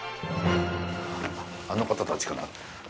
あの方たちかな？